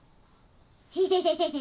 ヘヘヘヘヘ。